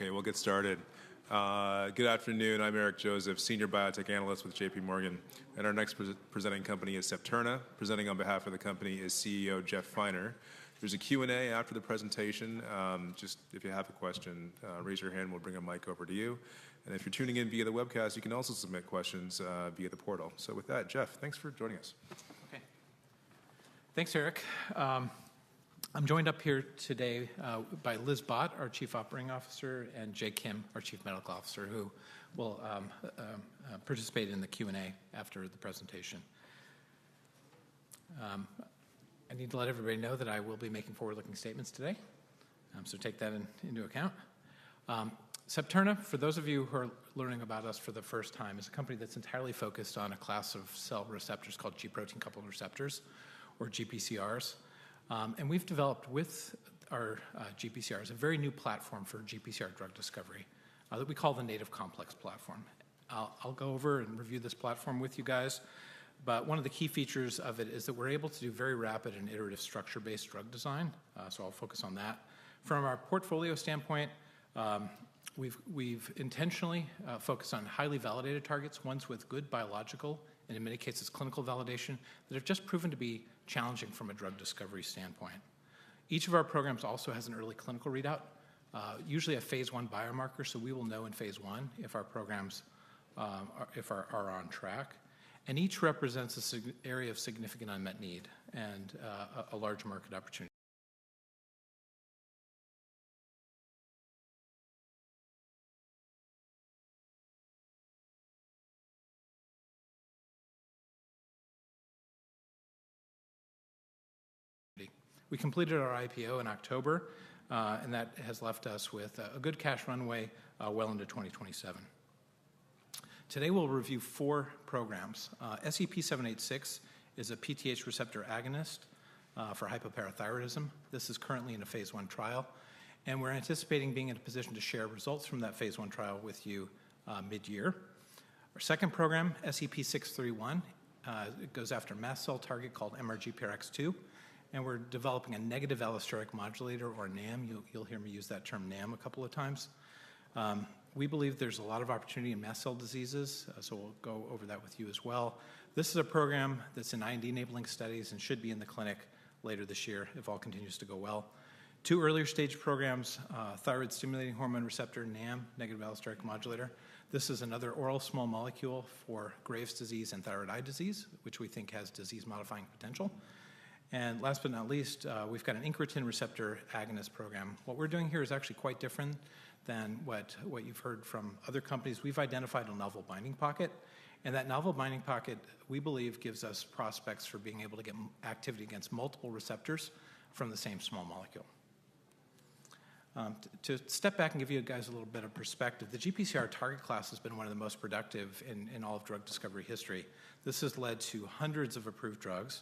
Okay, we'll get started. Good afternoon. I'm Eric Joseph, Senior Biotech Analyst with JPMorgan, and our next presenting company is Septerna. Presenting on behalf of the company is CEO Jeff Finer. There's a Q&A after the presentation. Just if you have a question, raise your hand. We'll bring a mic over to you, and if you're tuning in via the webcast, you can also submit questions via the portal, so with that, Jeff, thanks for joining us. Okay. Thanks, Eric. I'm joined up here today by Liz Bhatt, our Chief Operating Officer, and Jay Kim, our Chief Medical Officer, who will participate in the Q&A after the presentation. I need to let everybody know that I will be making forward-looking statements today, so take that into account. Septerna, for those of you who are learning about us for the first time, is a company that's entirely focused on a class of cell receptors called G-protein coupled receptors, or GPCRs. And we've developed with our GPCRs a very new platform for GPCR drug discovery that we call the Native Complex Platform. I'll go over and review this platform with you guys. But one of the key features of it is that we're able to do very rapid and iterative structure-based drug design, so I'll focus on that. From our portfolio standpoint, we've intentionally focused on highly validated targets, ones with good biological, and in many cases, clinical validation, that have just proven to be challenging from a drug discovery standpoint. Each of our programs also has an early clinical readout, usually a phase one biomarker, so we will know in phase one if our programs are on track, and each represents an area of significant unmet need and a large market opportunity. We completed our IPO in October, and that has left us with a good cash runway well into 2027. Today, we'll review four programs. SEP786 is a PTH receptor agonist for hypoparathyroidism. This is currently in a phase one trial, and we're anticipating being in a position to share results from that phase one trial with you mid-year. Our second program, SEP631, goes after a mast cell target called MRGPRX2, and we're developing a negative allosteric modulator, or NAM. You'll hear me use that term NAM a couple of times. We believe there's a lot of opportunity in mast cell diseases, so we'll go over that with you as well. This is a program that's in IND enabling studies and should be in the clinic later this year if all continues to go well. Two earlier stage programs, thyroid stimulating hormone receptor, NAM, negative allosteric modulator. This is another oral small molecule for Graves' disease and thyroid eye disease, which we think has disease-modifying potential. And last but not least, we've got an incretin receptor agonist program. What we're doing here is actually quite different than what you've heard from other companies. We've identified a novel binding pocket, and that novel binding pocket, we believe, gives us prospects for being able to get activity against multiple receptors from the same small molecule. To step back and give you guys a little bit of perspective, the GPCR target class has been one of the most productive in all of drug discovery history. This has led to hundreds of approved drugs,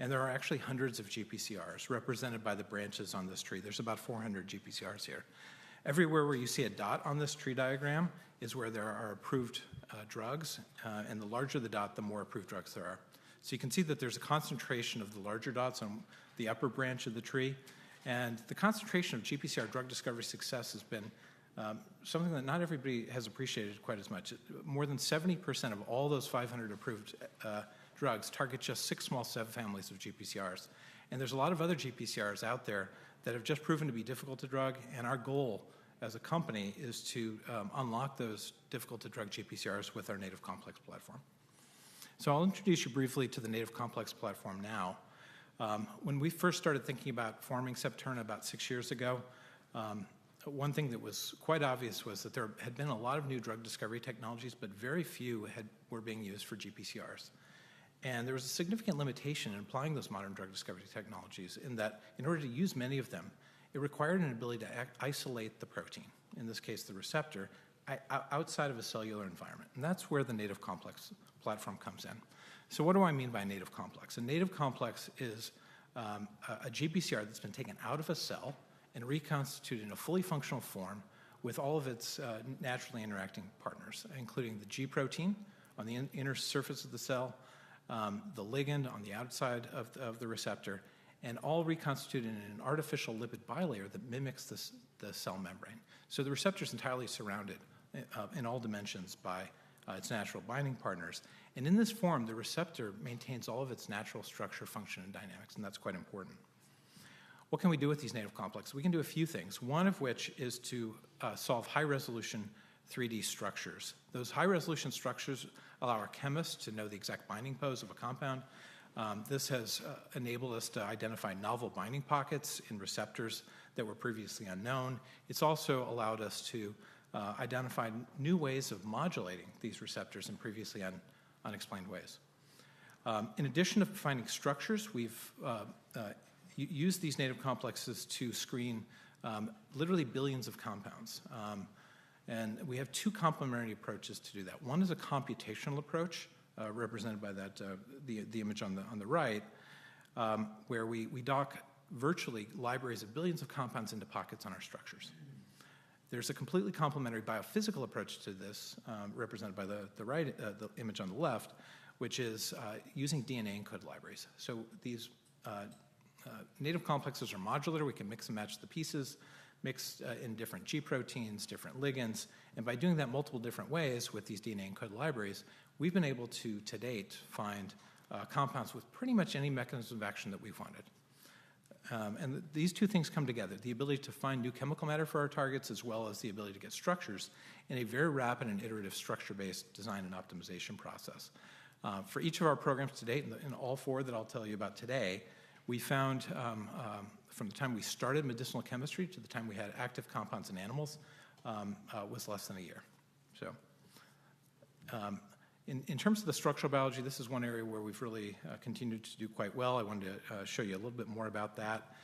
and there are actually hundreds of GPCRs represented by the branches on this tree. There's about 400 GPCRs here. Everywhere where you see a dot on this tree diagram is where there are approved drugs, and the larger the dot, the more approved drugs there are. So you can see that there's a concentration of the larger dots on the upper branch of the tree. The concentration of GPCR drug discovery success has been something that not everybody has appreciated quite as much. More than 70% of all those 500 approved drugs target just six small subfamilies of GPCRs. There's a lot of other GPCRs out there that have just proven to be difficult to drug, and our goal as a company is to unlock those difficult to drug GPCRs with our Native Complex Platform. I'll introduce you briefly to the Native Complex Platform now. When we first started thinking about forming Septerna about six years ago, one thing that was quite obvious was that there had been a lot of new drug discovery technologies, but very few were being used for GPCRs. And there was a significant limitation in applying those modern drug discovery technologies in that in order to use many of them, it required an ability to isolate the protein, in this case, the receptor, outside of a cellular environment. And that's where the Native Complex Platform comes in. So what do I mean by Native Complex? A Native Complex is a GPCR that's been taken out of a cell and reconstituted in a fully functional form with all of its naturally interacting partners, including the G-protein on the inner surface of the cell, the ligand on the outside of the receptor, and all reconstituted in an artificial lipid bilayer that mimics the cell membrane. So the receptor is entirely surrounded in all dimensions by its natural binding partners. And in this form, the receptor maintains all of its natural structure, function, and dynamics, and that's quite important. What can we do with these Native Complexes? We can do a few things, one of which is to solve high-resolution 3D structures. Those high-resolution structures allow our chemists to know the exact binding pose of a compound. This has enabled us to identify novel binding pockets in receptors that were previously unknown. It's also allowed us to identify new ways of modulating these receptors in previously unexplained ways. In addition to finding structures, we've used these Native Complexes to screen literally billions of compounds. And we have two complementary approaches to do that. One is a computational approach, represented by the image on the right, where we dock virtually libraries of billions of compounds into pockets on our structures. There's a completely complementary biophysical approach to this, represented by the image on the left, which is using DNA-encoded libraries. So these Native Complexes are modular. We can mix and match the pieces, mix in different G-proteins, different ligands. And by doing that multiple different ways with these DNA-encoded libraries, we've been able to date find compounds with pretty much any mechanism of action that we wanted. And these two things come together: the ability to find new chemical matter for our targets, as well as the ability to get structures in a very rapid and iterative structure-based design and optimization process. For each of our programs to date, and all four that I'll tell you about today, we found from the time we started medicinal chemistry to the time we had active compounds in animals was less than a year. So in terms of the structural biology, this is one area where we've really continued to do quite well. I wanted to show you a little bit more about that.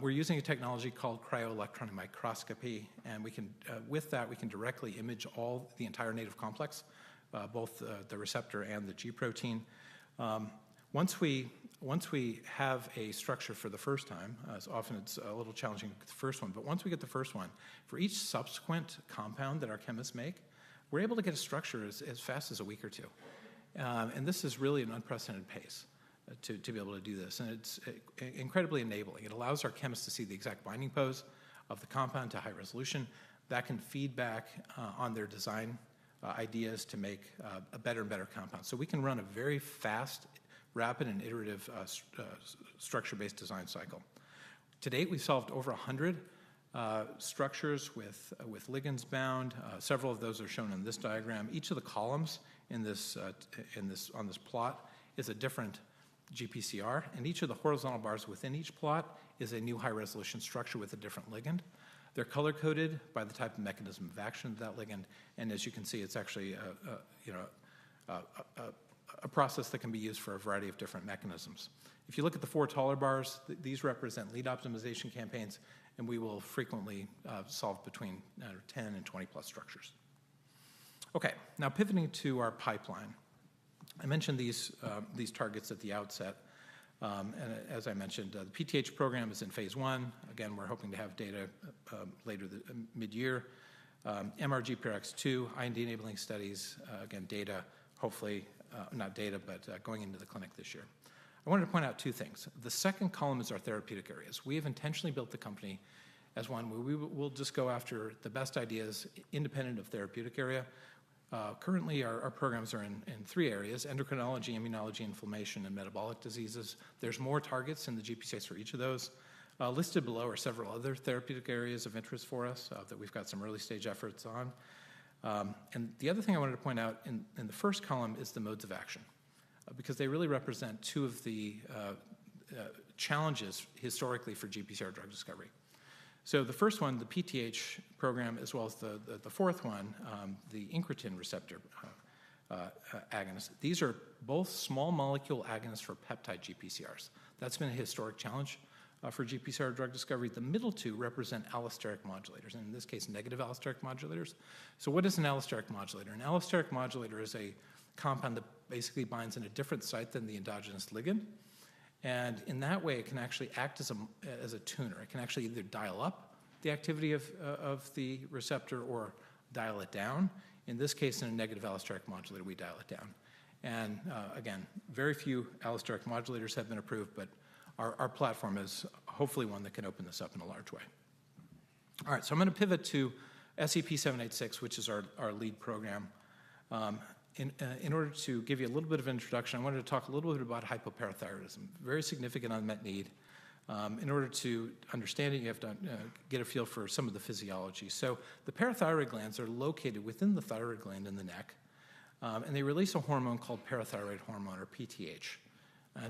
We're using a technology called cryo-electron microscopy, and with that, we can directly image the entire Native Complex, both the receptor and the G-protein. Once we have a structure for the first time, as often it's a little challenging with the first one, but once we get the first one, for each subsequent compound that our chemists make, we're able to get a structure as fast as a week or two. And this is really an unprecedented pace to be able to do this, and it's incredibly enabling. It allows our chemists to see the exact binding pose of the compound to high resolution. That can feed back on their design ideas to make a better and better compound. So we can run a very fast, rapid, and iterative structure-based design cycle. To date, we've solved over 100 structures with ligands bound. Several of those are shown in this diagram. Each of the columns on this plot is a different GPCR, and each of the horizontal bars within each plot is a new high-resolution structure with a different ligand. They're color-coded by the type of mechanism of action of that ligand. And as you can see, it's actually a process that can be used for a variety of different mechanisms. If you look at the four taller bars, these represent lead optimization campaigns, and we will frequently solve between 10 and 20 plus structures. Okay, now pivoting to our pipeline. I mentioned these targets at the outset. And as I mentioned, the PTH program is in phase one. Again, we're hoping to have data later mid-year. MRGPRX2, IND enabling studies, again, data, hopefully not data, but going into the clinic this year. I wanted to point out two things. The second column is our therapeutic areas. We have intentionally built the company as one where we will just go after the best ideas independent of therapeutic area. Currently, our programs are in three areas: endocrinology, immunology, inflammation, and metabolic diseases. There's more targets in the GPCRs for each of those. Listed below are several other therapeutic areas of interest for us that we've got some early stage efforts on, and the other thing I wanted to point out in the first column is the modes of action, because they really represent two of the challenges historically for GPCR drug discovery. So the first one, the PTH program, as well as the fourth one, the incretin receptor agonist, these are both small molecule agonists for peptide GPCRs. That's been a historic challenge for GPCR drug discovery. The middle two represent allosteric modulators, and in this case, negative allosteric modulators. So what is an allosteric modulator? An allosteric modulator is a compound that basically binds in a different site than the endogenous ligand, and in that way, it can actually act as a tuner. It can actually either dial up the activity of the receptor or dial it down. In this case, in a negative allosteric modulator, we dial it down, and again, very few allosteric modulators have been approved, but our platform is hopefully one that can open this up in a large way. All right, so I'm going to pivot to SEP786, which is our lead program. In order to give you a little bit of introduction, I wanted to talk a little bit about hypoparathyroidism, very significant unmet need. In order to understand it, you have to get a feel for some of the physiology. The parathyroid glands are located within the thyroid gland in the neck, and they release a hormone called parathyroid hormone, or PTH.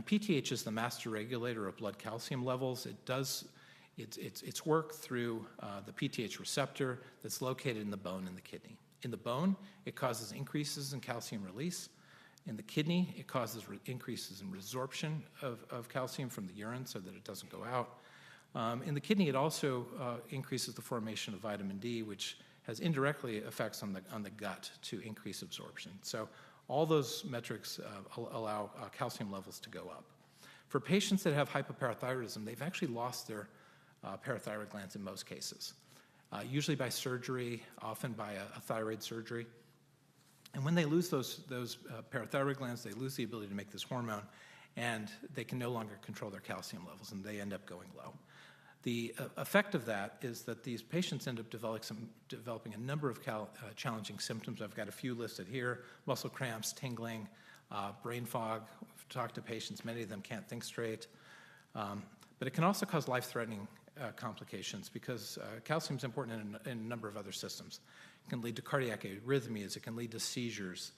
PTH is the master regulator of blood calcium levels. It works through the PTH receptor that's located in the bone and the kidney. In the bone, it causes increases in calcium release. In the kidney, it causes increases in resorption of calcium from the urine so that it doesn't go out. In the kidney, it also increases the formation of vitamin D, which has indirect effects on the gut to increase absorption. All those metrics allow calcium levels to go up. For patients that have hypoparathyroidism, they've actually lost their parathyroid glands in most cases, usually by surgery, often by a thyroid surgery. And when they lose those parathyroid glands, they lose the ability to make this hormone, and they can no longer control their calcium levels, and they end up going low. The effect of that is that these patients end up developing a number of challenging symptoms. I've got a few listed here: muscle cramps, tingling, brain fog. We've talked to patients. Many of them can't think straight. But it can also cause life-threatening complications because calcium is important in a number of other systems. It can lead to cardiac arrhythmias. It can lead to seizures.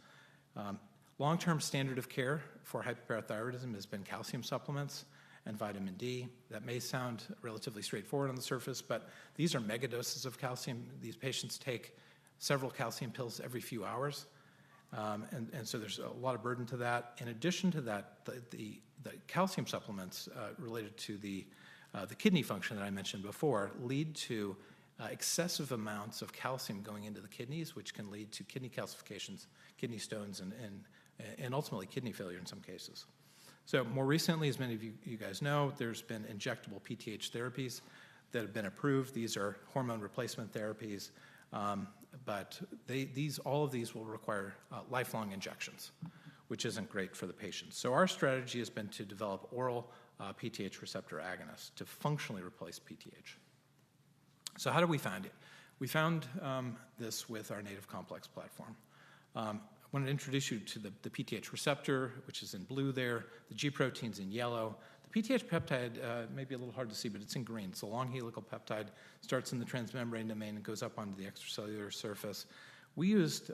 Long-term standard of care for hypoparathyroidism has been calcium supplements and vitamin D. That may sound relatively straightforward on the surface, but these are mega doses of calcium. These patients take several calcium pills every few hours, and so there's a lot of burden to that. In addition to that, the calcium supplements related to the kidney function that I mentioned before lead to excessive amounts of calcium going into the kidneys, which can lead to kidney calcifications, kidney stones, and ultimately kidney failure in some cases. So more recently, as many of you guys know, there's been injectable PTH therapies that have been approved. These are hormone replacement therapies, but all of these will require lifelong injections, which isn't great for the patients. So our strategy has been to develop oral PTH receptor agonists to functionally replace PTH. So how did we find it? We found this with our Native Complex Platform. I want to introduce you to the PTH receptor, which is in blue there. The G-protein's in yellow. The PTH peptide may be a little hard to see, but it's in green. It's a long helical peptide. It starts in the transmembrane domain and goes up onto the extracellular surface. We used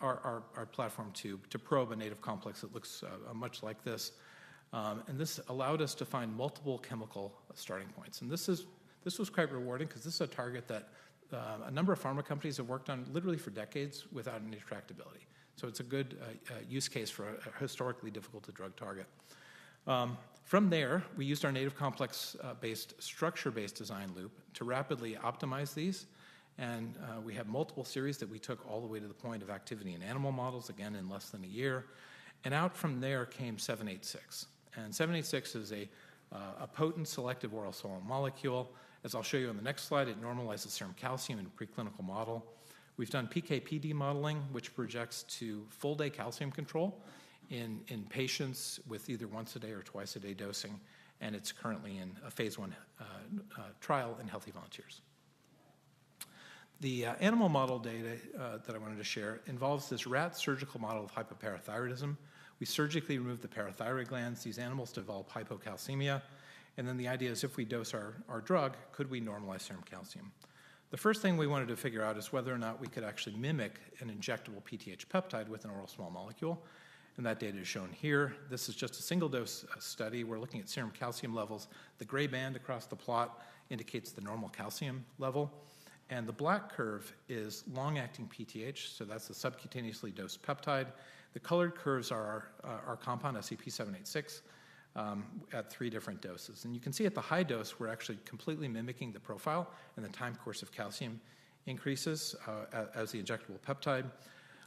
our platform to probe a Native Complex that looks much like this. And this allowed us to find multiple chemical starting points. And this was quite rewarding because this is a target that a number of pharma companies have worked on literally for decades without any tractability. So it's a good use case for a historically difficult drug target. From there, we used our Native Complex-based structure-based design loop to rapidly optimize these. And we had multiple series that we took all the way to the point of activity in animal models, again, in less than a year. And out from there came 786. And 786 is a potent selective oral small molecule. As I'll show you on the next slide, it normalizes serum calcium in a preclinical model. We've done PKPD modeling, which projects to full-day calcium control in patients with either once-a-day or twice-a-day dosing. And it's currently in a phase one trial in healthy volunteers. The animal model data that I wanted to share involves this rat surgical model of hypoparathyroidism. We surgically remove the parathyroid glands. These animals develop hypocalcemia. And then the idea is if we dose our drug, could we normalize serum calcium? The first thing we wanted to figure out is whether or not we could actually mimic an injectable PTH peptide with an oral small molecule. And that data is shown here. This is just a single-dose study. We're looking at serum calcium levels. The gray band across the plot indicates the normal calcium level. And the black curve is long-acting PTH, so that's a subcutaneously dosed peptide. The colored curves are our compound, SEP786, at three different doses. You can see at the high dose, we're actually completely mimicking the profile, and the time course of calcium increases as the injectable peptide.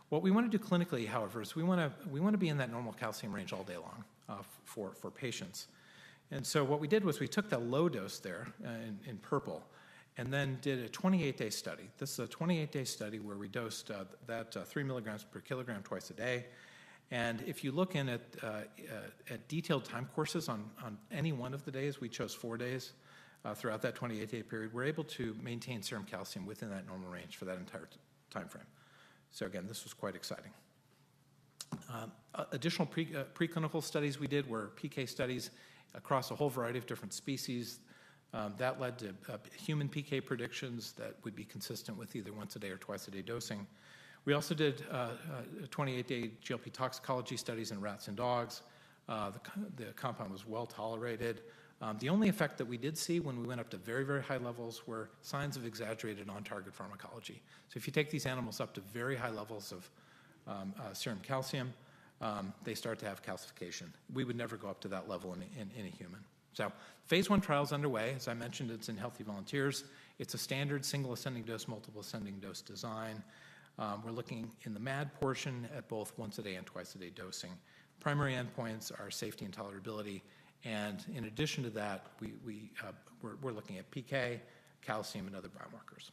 What we want to do clinically, however, is we want to be in that normal calcium range all day long for patients. What we did was we took the low dose there in purple and then did a 28-day study. This is a 28-day study where we dosed that 3 milligrams per kilogram twice a day. If you look in at detailed time courses on any one of the days, we chose four days throughout that 28-day period, we're able to maintain serum calcium within that normal range for that entire timeframe. Again, this was quite exciting. Additional preclinical studies we did were PK studies across a whole variety of different species. That led to human PK predictions that would be consistent with either once-a-day or twice-a-day dosing. We also did 28-day GLP-toxicology studies in rats and dogs. The compound was well tolerated. The only effect that we did see when we went up to very, very high levels were signs of exaggerated on-target pharmacology. So if you take these animals up to very high levels of serum calcium, they start to have calcification. We would never go up to that level in a human. So phase one trial's underway. As I mentioned, it's in healthy volunteers. It's a standard single ascending dose, multiple ascending dose design. We're looking in the MAD portion at both once-a-day and twice-a-day dosing. Primary endpoints are safety and tolerability. And in addition to that, we're looking at PK, calcium, and other biomarkers.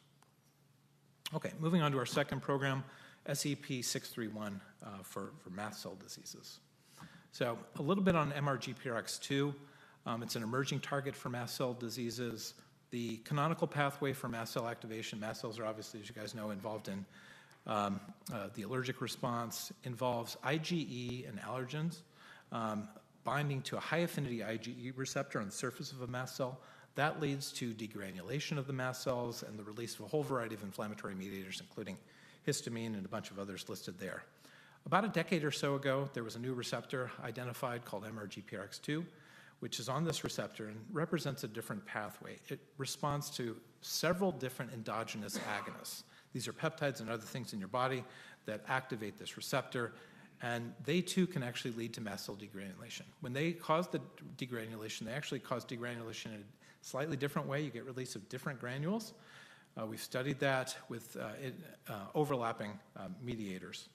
Okay, moving on to our second program, SEP631 for mast cell diseases. So a little bit on MRGPRX2. It's an emerging target for mast cell diseases. The canonical pathway for mast cell activation, mast cells are obviously, as you guys know, involved in the allergic response, involves IgE and allergens binding to a high-affinity IgE receptor on the surface of a mast cell. That leads to degranulation of the mast cells and the release of a whole variety of inflammatory mediators, including histamine and a bunch of others listed there. About a decade or so ago, there was a new receptor identified called MRGPRX2, which is on this receptor and represents a different pathway. It responds to several different endogenous agonists. These are peptides and other things in your body that activate this receptor, and they too can actually lead to mast cell degranulation. When they cause the degranulation, they actually cause degranulation in a slightly different way. You get release of different granules. We've studied that with overlapping mediators.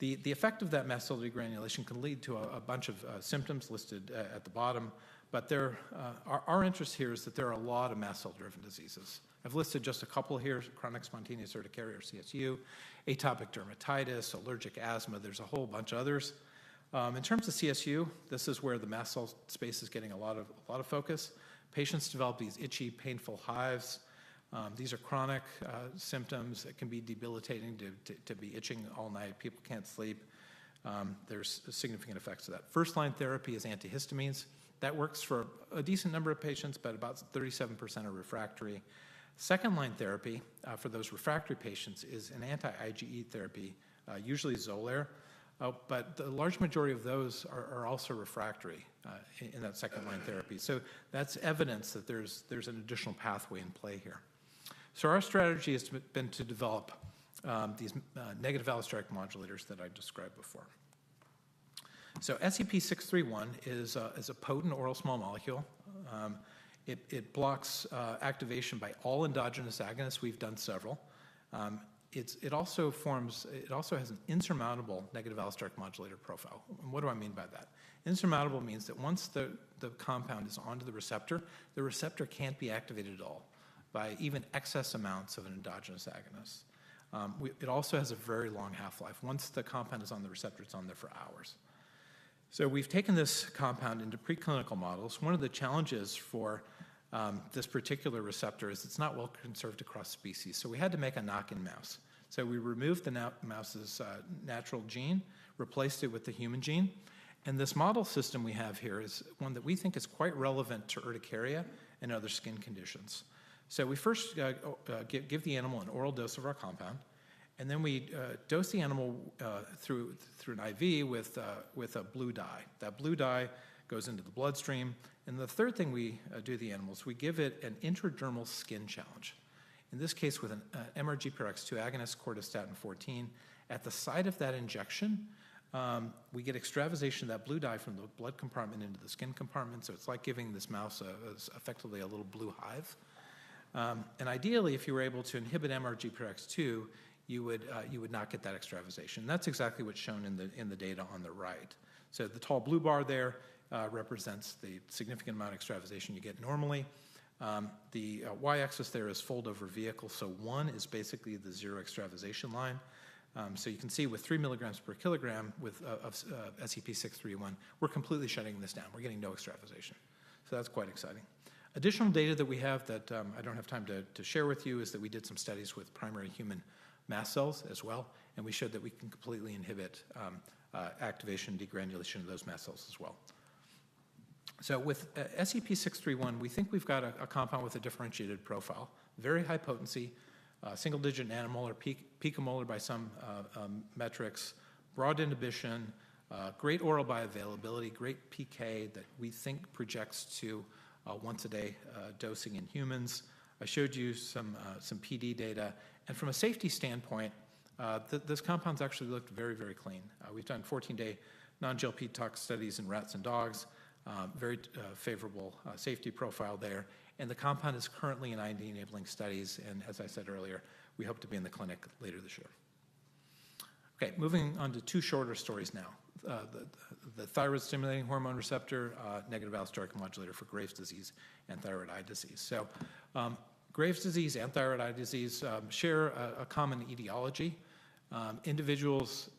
The effect of that mast cell degranulation can lead to a bunch of symptoms listed at the bottom, but our interest here is that there are a lot of mast cell-driven diseases. I've listed just a couple here: chronic spontaneous urticaria or CSU, atopic dermatitis, allergic asthma. There's a whole bunch of others. In terms of CSU, this is where the mast cell space is getting a lot of focus. Patients develop these itchy, painful hives. These are chronic symptoms that can be debilitating to be itching all night. People can't sleep. There's significant effects of that. First-line therapy is antihistamines. That works for a decent number of patients, but about 37% are refractory. Second-line therapy for those refractory patients is an anti-IgE therapy, usually Xolair, but the large majority of those are also refractory in that second-line therapy. So that's evidence that there's an additional pathway in play here. So our strategy has been to develop these negative allosteric modulators that I described before. So SEP631 is a potent oral small molecule. It blocks activation by all endogenous agonists. We've done several. It also has an insurmountable negative allosteric modulator profile. And what do I mean by that? Insurmountable means that once the compound is onto the receptor, the receptor can't be activated at all by even excess amounts of an endogenous agonist. It also has a very long half-life. Once the compound is on the receptor, it's on there for hours. So we've taken this compound into preclinical models. One of the challenges for this particular receptor is it's not well conserved across species. So we had to make a knock-in mouse. So we removed the mouse's natural gene, replaced it with the human gene. And this model system we have here is one that we think is quite relevant to urticaria and other skin conditions. So we first give the animal an oral dose of our compound, and then we dose the animal through an IV with a blue dye. That blue dye goes into the bloodstream. And the third thing we do to the animal is we give it an intradermal skin challenge. In this case, with an MRGPRX2 agonist, Cortistatin-14, at the site of that injection, we get extravasation of that blue dye from the blood compartment into the skin compartment. So it's like giving this mouse effectively a little blue hive. Ideally, if you were able to inhibit MRGPRX2, you would not get that extravasation. That's exactly what's shown in the data on the right. The tall blue bar there represents the significant amount of extravasation you get normally. The Y-axis there is fold-over vehicle. One is basically the zero extravasation line. You can see with three milligrams per kilogram of SEP631, we're completely shutting this down. We're getting no extravasation. That's quite exciting. Additional data that we have that I don't have time to share with you is that we did some studies with primary human mast cells as well, and we showed that we can completely inhibit activation and degranulation of those mast cells as well. So with SEP631, we think we've got a compound with a differentiated profile, very high potency, single-digit nanomolar or picomolar by some metrics, broad inhibition, great oral bioavailability, great PK that we think projects to once-a-day dosing in humans. I showed you some PD data. And from a safety standpoint, this compound's actually looked very, very clean. We've done 14-day non-GLP-tox studies in rats and dogs, very favorable safety profile there. And the compound is currently in IND enabling studies. And as I said earlier, we hope to be in the clinic later this year. Okay, moving on to two shorter stories now. The thyroid-stimulating hormone receptor, negative allosteric modulator for Graves' disease and thyroid eye disease. So Graves' disease and thyroid eye disease share a common etiology. Individuals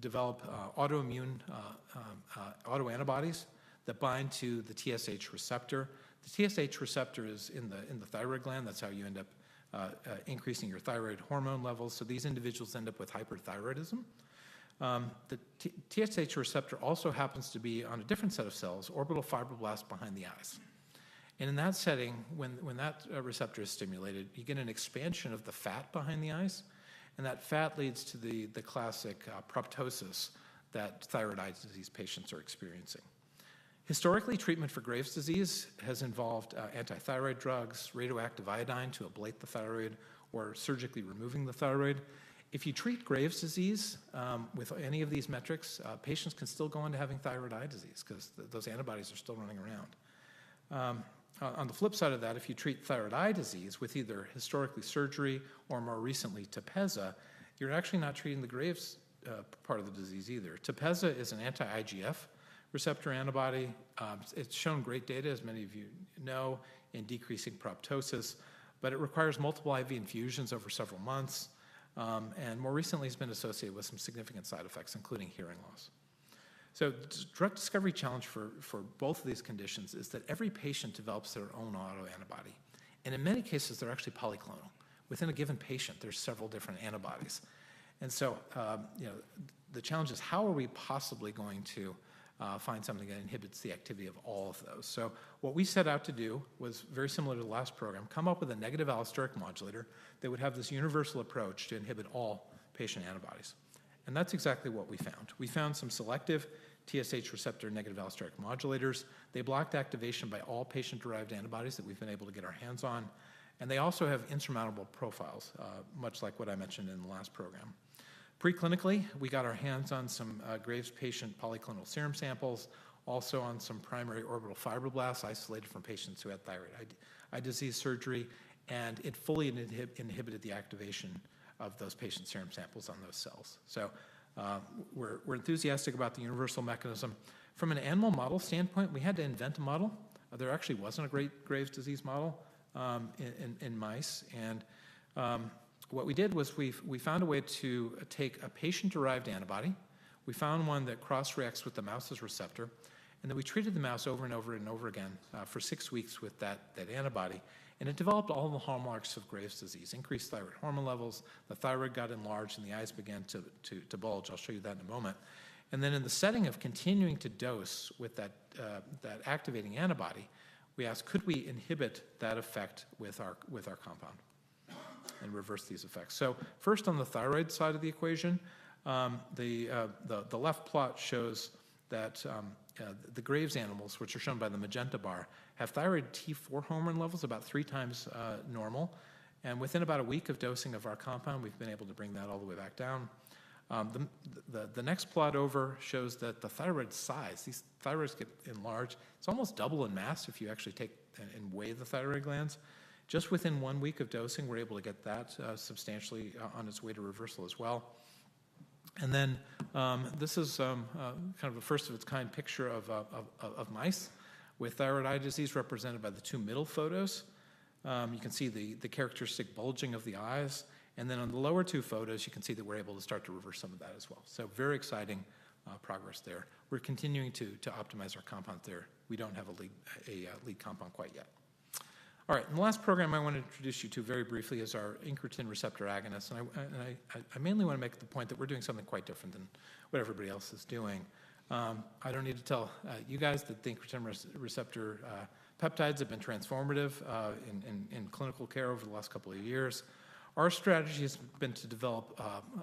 develop autoantibodies that bind to the TSH receptor. The TSH receptor is in the thyroid gland. That's how you end up increasing your thyroid hormone levels, so these individuals end up with hyperthyroidism. The TSH receptor also happens to be on a different set of cells, orbital fibroblasts behind the eyes, and in that setting, when that receptor is stimulated, you get an expansion of the fat behind the eyes, and that fat leads to the classic proptosis that thyroid eye disease patients are experiencing. Historically, treatment for Graves' disease has involved anti-thyroid drugs, radioactive iodine to ablate the thyroid, or surgically removing the thyroid. If you treat Graves' disease with any of these methods, patients can still go on to having thyroid eye disease because those antibodies are still running around. On the flip side of that, if you treat thyroid eye disease with either historically surgery or more recently Tepezza, you're actually not treating the Graves' part of the disease either. Tepezza is an anti-IGF receptor antibody. It's shown great data, as many of you know, in decreasing proptosis, but it requires multiple IV infusions over several months. And more recently, it's been associated with some significant side effects, including hearing loss. So the drug discovery challenge for both of these conditions is that every patient develops their own autoantibody. And in many cases, they're actually polyclonal. Within a given patient, there's several different antibodies. And so the challenge is, how are we possibly going to find something that inhibits the activity of all of those? So what we set out to do was very similar to the last program, come up with a negative allosteric modulator that would have this universal approach to inhibit all patient antibodies. And that's exactly what we found. We found some selective TSH receptor negative allosteric modulators. They blocked activation by all patient-derived antibodies that we've been able to get our hands on. And they also have insurmountable profiles, much like what I mentioned in the last program. Preclinically, we got our hands on some Graves' disease polyclonal serum samples, also on some primary orbital fibroblasts isolated from patients who had thyroid eye disease surgery, and it fully inhibited the activation of those patient serum samples on those cells. So we're enthusiastic about the universal mechanism. From an animal model standpoint, we had to invent a model. There actually wasn't a great Graves' disease model in mice. And what we did was we found a way to take a patient-derived antibody. We found one that cross-reacts with the mouse's receptor, and then we treated the mouse over and over and over again for six weeks with that antibody. It developed all the hallmarks of Graves' disease: increased thyroid hormone levels, the thyroid got enlarged, and the eyes began to bulge. I'll show you that in a moment. In the setting of continuing to dose with that activating antibody, we asked, could we inhibit that effect with our compound and reverse these effects? First, on the thyroid side of the equation, the left plot shows that the Graves' animals, which are shown by the magenta bar, have thyroid T4 hormone levels about three times normal. Within about a week of dosing of our compound, we've been able to bring that all the way back down. The next plot over shows that the thyroid size, these thyroids get enlarged. It's almost double in mass if you actually take and weigh the thyroid glands. Just within one week of dosing, we're able to get that substantially on its way to reversal as well and then this is kind of a first-of-its-kind picture of mice with thyroid eye disease represented by the two middle photos. You can see the characteristic bulging of the eyes and then on the lower two photos, you can see that we're able to start to reverse some of that as well so very exciting progress there. We're continuing to optimize our compound there. We don't have a lead compound quite yet. All right, and the last program I want to introduce you to very briefly is our incretin receptor agonist and I mainly want to make the point that we're doing something quite different than what everybody else is doing. I don't need to tell you guys that the incretin receptor peptides have been transformative in clinical care over the last couple of years. Our strategy has been to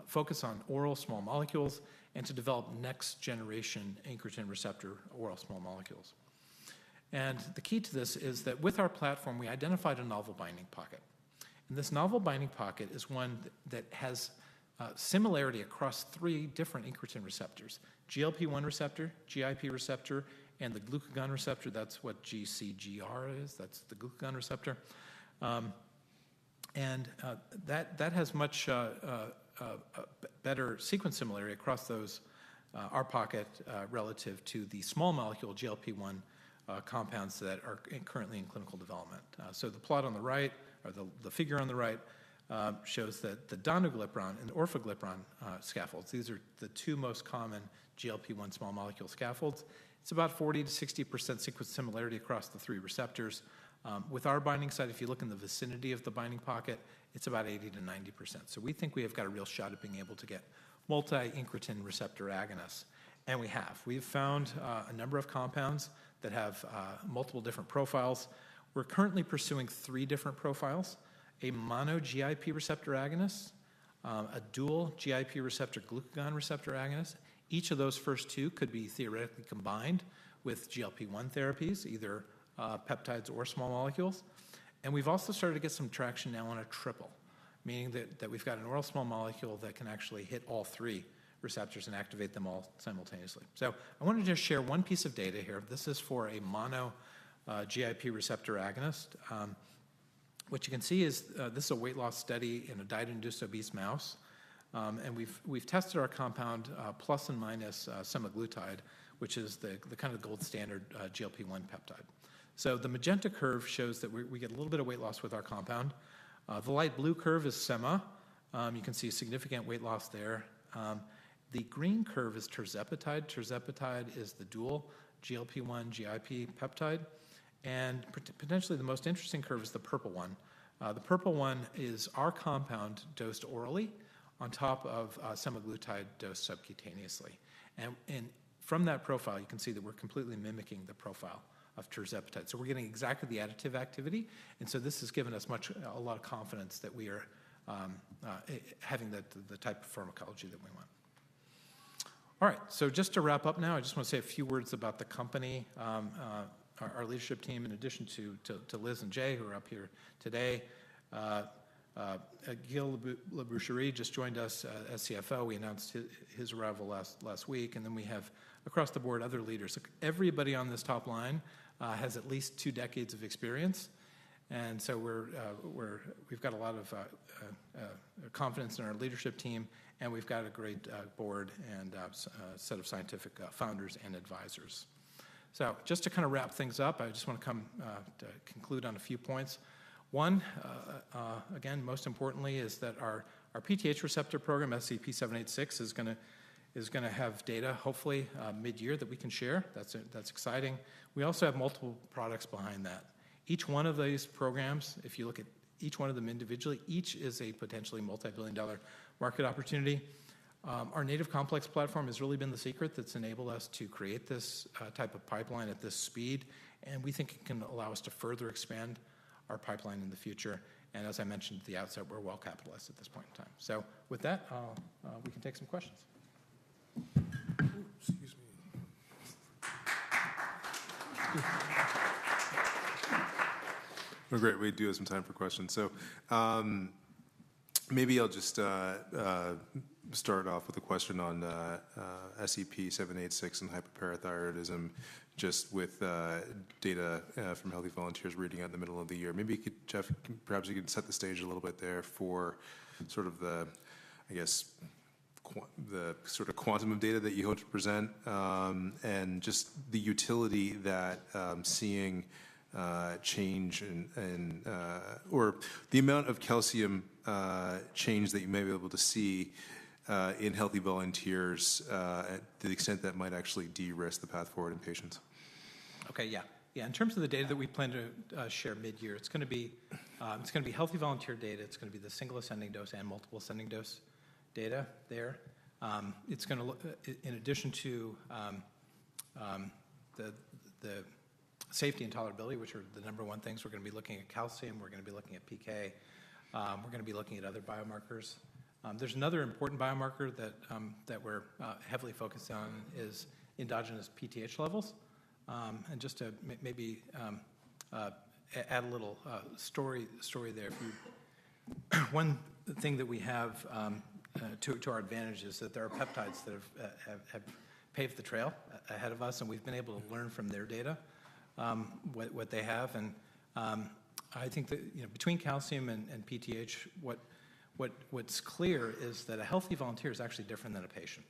focus on oral small molecules and to develop next-generation incretin receptor oral small molecules. And the key to this is that with our platform, we identified a novel binding pocket. And this novel binding pocket is one that has similarity across three different incretin receptors: GLP-1 receptor, GIP receptor, and the glucagon receptor. That's what GCGR is. That's the glucagon receptor. And that has much better sequence similarity across our pocket relative to the small molecule GLP-1 compounds that are currently in clinical development. So the plot on the right, or the figure on the right, shows that the donnaglipron and the orforglipron scaffolds, these are the two most common GLP-1 small molecule scaffolds. It's about 40%-60% sequence similarity across the three receptors. With our binding site, if you look in the vicinity of the binding pocket, it's about 80%-90%. So we think we have got a real shot at being able to get multi-incretin receptor agonists, and we have. We have found a number of compounds that have multiple different profiles. We're currently pursuing three different profiles: a mono GIP receptor agonist, a dual GIP receptor glucagon receptor agonist. Each of those first two could be theoretically combined with GLP-1 therapies, either peptides or small molecules. And we've also started to get some traction now on a triple, meaning that we've got an oral small molecule that can actually hit all three receptors and activate them all simultaneously. So I wanted to just share one piece of data here. This is for a mono GIP receptor agonist. What you can see is this is a weight loss study in a diet-induced obese mouse. And we've tested our compound plus and minus semaglutide, which is the kind of gold standard GLP-1 peptide. So the magenta curve shows that we get a little bit of weight loss with our compound. The light blue curve is sema. You can see significant weight loss there. The green curve is tirzepatide, tirzepatide is the dual GLP-1 GIP peptide. And potentially the most interesting curve is the purple one. The purple one is our compound dosed orally on top of semaglutide dosed subcutaneously. And from that profile, you can see that we're completely mimicking the profile of tirzepatide. So we're getting exactly the additive activity. And so this has given us a lot of confidence that we are having the type of pharmacology that we want. All right, so just to wrap up now, I just want to say a few words about the company, our leadership team, in addition to Liz and Jay, who are up here today. Gil Labrucherie just joined us as CFO. We announced his arrival last week. And then we have, across the board, other leaders. Everybody on this top line has at least two decades of experience. And so we've got a lot of confidence in our leadership team, and we've got a great board and set of scientific founders and advisors. So just to kind of wrap things up, I just want to come to conclude on a few points. One, again, most importantly, is that our PTH receptor program, SEP786, is going to have data, hopefully, mid-year that we can share. That's exciting. We also have multiple products behind that. Each one of these programs, if you look at each one of them individually, each is a potentially multi-billion-dollar market opportunity. Our Native Complex Platform has really been the secret that's enabled us to create this type of pipeline at this speed. And we think it can allow us to further expand our pipeline in the future. And as I mentioned at the outset, we're well capitalized at this point in time. So with that, we can take some questions. Oh, excuse me. We're great. We do have some time for questions. So maybe I'll just start off with a question on SEP786 and hypoparathyroidism, just with data from healthy volunteers reading out in the middle of the year. Maybe Jeff, perhaps you can set the stage a little bit there for sort of the, I guess, the sort of quantum of data that you hope to present and just the utility that seeing change in, or the amount of calcium change that you may be able to see in healthy volunteers to the extent that might actually de-risk the path forward in patients. Okay, yeah. Yeah, in terms of the data that we plan to share mid-year, it's going to be healthy volunteer data. It's going to be the single ascending dose and multiple ascending dose data there. In addition to the safety and tolerability, which are the number one things, we're going to be looking at calcium. We're going to be looking at PK. We're going to be looking at other biomarkers. There's another important biomarker that we're heavily focused on is endogenous PTH levels. And just to maybe add a little story there, one thing that we have to our advantage is that there are peptides that have paved the trail ahead of us, and we've been able to learn from their data what they have, and I think between calcium and PTH, what's clear is that a healthy volunteer is actually different than a patient.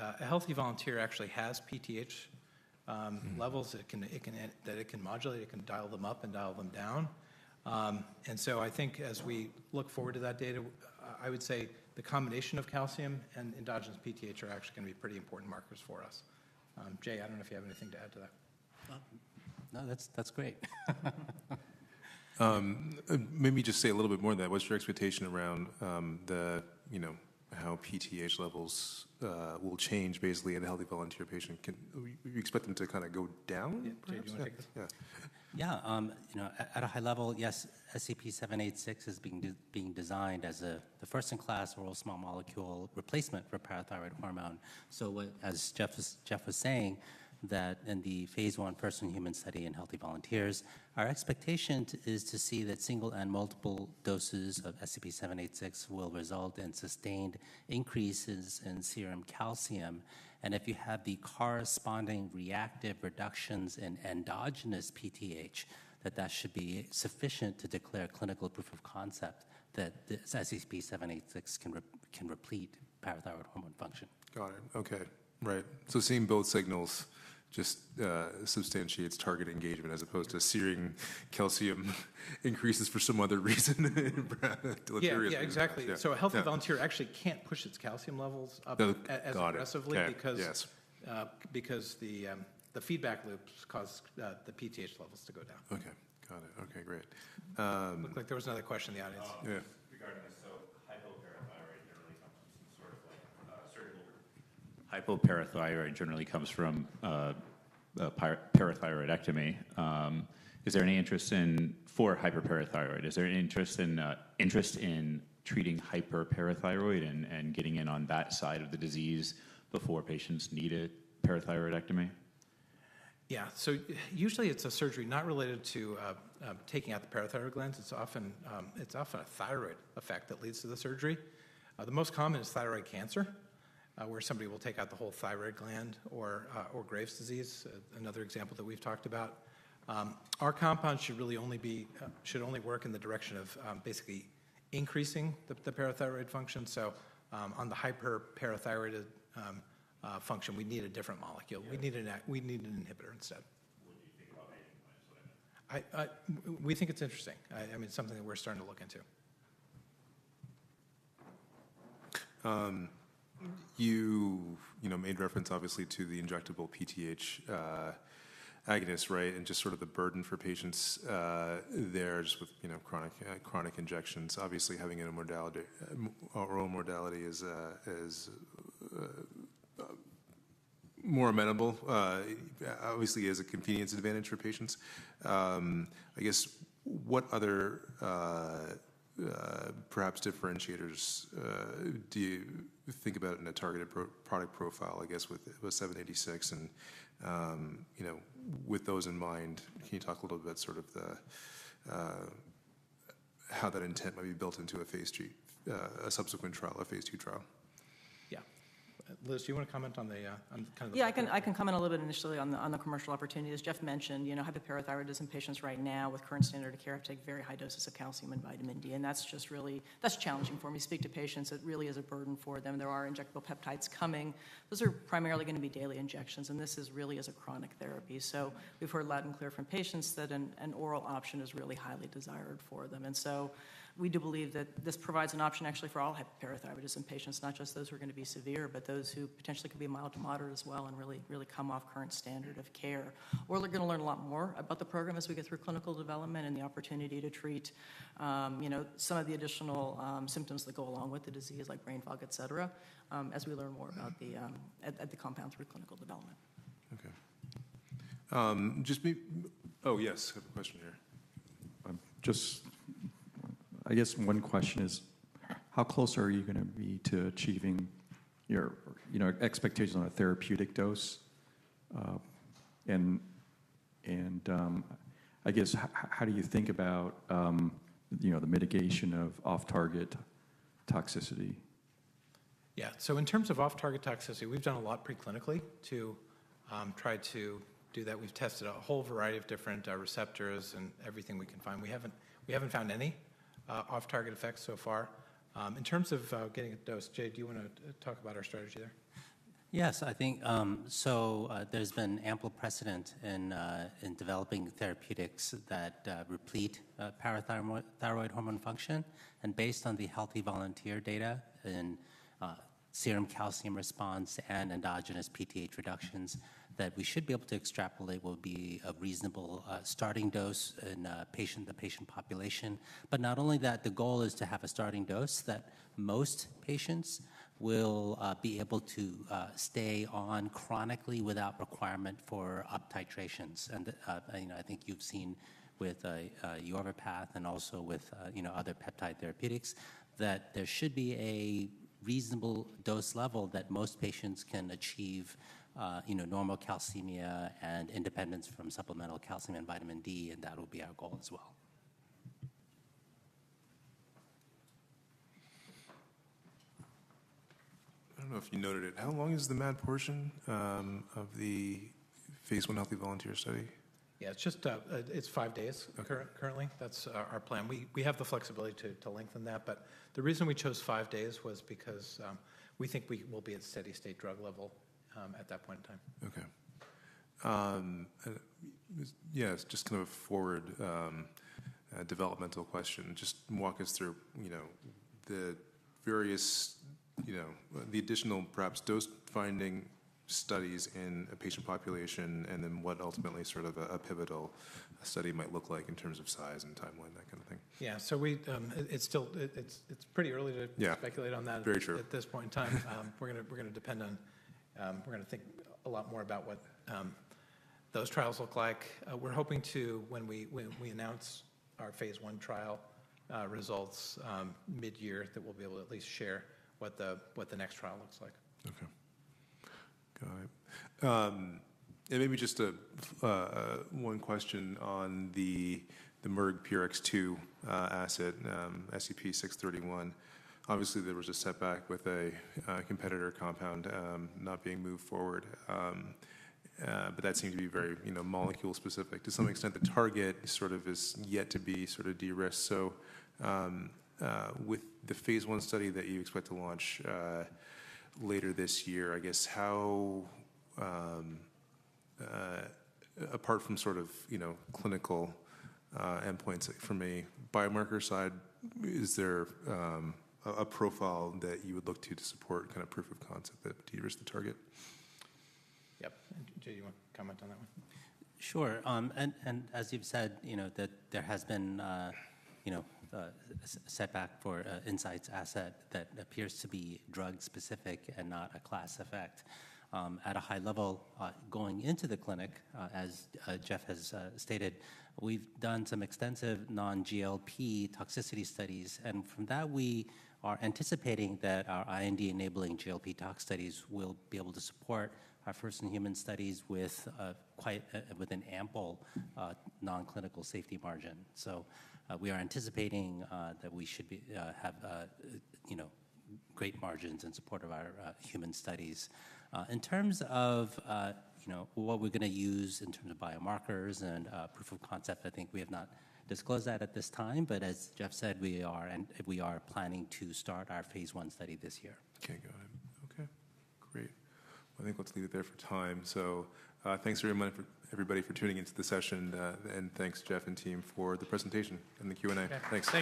A healthy volunteer actually has PTH levels that it can modulate. It can dial them up and dial them down. And so I think as we look forward to that data, I would say the combination of calcium and endogenous PTH are actually going to be pretty important markers for us. Jay, I don't know if you have anything to add to that. No, that's great. Maybe just say a little bit more than that. What's your expectation around how PTH levels will change basically in a healthy volunteer patient? You expect them to kind of go down? Yeah, at a high level, yes, SEP786 is being designed as the first-in-class oral small molecule replacement for parathyroid hormone. So as Jeff was saying, that in the phase 1 first-in-human study in healthy volunteers, our expectation is to see that single and multiple doses of SEP786 will result in sustained increases in serum calcium. And if you have the corresponding reciprocal reductions in endogenous PTH, that should be sufficient to declare clinical proof of concept that SEP786 can replete parathyroid hormone function. Got it. Okay. Right. So seeing both signals just substantiates target engagement as opposed to serum calcium increases for some other reason. Yeah, exactly. So, a healthy volunteer actually can't push its calcium levels up as aggressively because the feedback loops cause the PTH levels to go down. Okay. Got it. Okay, great. Looked like there was another question in the audience. Regarding this, hypoparathyroidism generally comes from some sort of surgical. Hypoparathyroidism generally comes from parathyroidectomy. Is there any interest in for hypoparathyroidism? Is there any interest in treating hypoparathyroidism and getting in on that side of the disease before patients need a parathyroidectomy? Usually it's a surgery not related to taking out the parathyroid glands. It's often a thyroid effect that leads to the surgery. The most common is thyroid cancer, where somebody will take out the whole thyroid gland or Graves' disease, another example that we've talked about. Our compound should really only work in the direction of basically increasing the parathyroid function. On the hyperparathyroid function, we need a different molecule. We need an inhibitor instead. What do you think about making that? We think it's interesting. I mean, it's something that we're starting to look into. You made reference, obviously, to the injectable PTH agonist, right, and just sort of the burden for patients there with chronic injections. Obviously, having it in oral modality is more amenable. Obviously, it is a convenience advantage for patients. I guess, what other perhaps differentiators do you think about in a targeted product profile, I guess, with 786? And with those in mind, can you talk a little bit sort of how that intent might be built into a subsequent trial, a phase two trial? Yeah. Liz, do you want to comment on the? Yeah, I can comment a little bit initially on the commercial opportunity. As Jeff mentioned, hypoparathyroidism patients right now with current standard of care take very high doses of calcium and vitamin D, and that's just really challenging for me. Speak to patients, it really is a burden for them. There are injectable peptides coming. Those are primarily going to be daily injections, and this is really as a chronic therapy, so we've heard loud and clear from patients that an oral option is really highly desired for them And so we do believe that this provides an option actually for all hypoparathyroidism patients, not just those who are going to be severe, but those who potentially could be mild to moderate as well and really come off current standard of care. Or they're going to learn a lot more about the program as we go through clinical development and the opportunity to treat some of the additional symptoms that go along with the disease, like brain fog, etc., as we learn more about the compound through clinical development. Okay. Oh, yes, I have a question here. Just, I guess one question is, how close are you going to be to achieving your expectations on a therapeutic dose? And I guess, how do you think about the mitigation of off-target toxicity? Yeah, so in terms of off-target toxicity, we've done a lot preclinically to try to do that. We've tested a whole variety of different receptors and everything we can find. We haven't found any off-target effects so far. In terms of getting a dose, Jay, do you want to talk about our strategy there? Yes, I think so. There's been ample precedent in developing therapeutics that replete parathyroid hormone function, and based on the healthy volunteer data in serum calcium response and endogenous PTH reductions, that we should be able to extrapolate will be a reasonable starting dose in the patient population, but not only that, the goal is to have a starting dose that most patients will be able to stay on chronically without requirement for up-titrations, and I think you've seen with Yorvipath and also with other peptide therapeutics that there should be a reasonable dose level that most patients can achieve normal calcemia and independence from supplemental calcium and vitamin D, and that will be our goal as well. I don't know if you noted it. How long is the MAD portion of the phase one healthy volunteer study? Yeah, it's five days currently. That's our plan. We have the flexibility to lengthen that. But the reason we chose five days was because we think we will be at steady-state drug level at that point in time. Okay. Yeah, just kind of a forward developmental question. Just walk us through the various, the additional perhaps dose-finding studies in a patient population and then what ultimately sort of a pivotal study might look like in terms of size and timeline, that kind of thing. Yeah, so it's pretty early to speculate on that at this point in time. We're going to think a lot more about what those trials look like. We're hoping to, when we announce our phase one trial results mid-year, that we'll be able to at least share what the next trial looks like. Okay. Got it. And maybe just one question on the MRGPRX2 asset, SEP631. Obviously, there was a setback with a competitor compound not being moved forward. But that seems to be very molecule-specific. To some extent, the target sort of is yet to be sort of de-risked. So with the phase one study that you expect to launch later this year, I guess, how, apart from sort of clinical endpoints from a biomarker side, is there a profile that you would look to to support kind of proof of concept that de-risked the target? Yep. Jay, do you want to comment on that one? Sure. As you've said, there has been a setback for Incyte's asset that appears to be drug-specific and not a class effect. At a high level, going into the clinic, as Jeff has stated, we've done some extensive non-GLP toxicity studies. From that, we are anticipating that our IND-enabling GLP tox studies will be able to support our first-in-human studies with an ample non-clinical safety margin. We are anticipating that we should have great margins in support of our human studies. In terms of what we're going to use in terms of biomarkers and proof of concept, I think we have not disclosed that at this time. As Jeff said, we are planning to start our phase one study this year. Okay, got it. Okay, great. Well, I think let's leave it there for time. So thanks everybody for tuning into the session. And thanks, Jeff and team, for the presentation and the Q&A. Thanks.